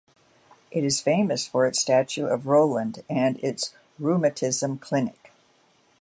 It is famous for its statue of Roland and its rheumatism clinic.